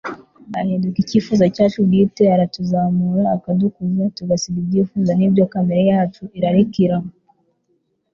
ahinduka icyifuzo cyacu bwite. Aratuzamura akadukuza tugasiga ibyifuzo n'ibyo kamere yacu irarikira,